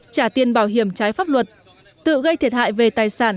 trả tiền bảo hiểm trái pháp luật tự gây thiệt hại về tài sản